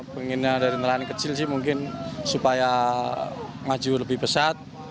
pengennya dari nelayan kecil sih mungkin supaya maju lebih pesat